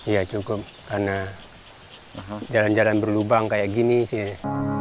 ya cukup karena jalan jalan berlubang kayak gini sih